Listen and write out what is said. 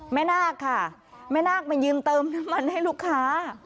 นาคค่ะแม่นาคมายืนเติมน้ำมันให้ลูกค้า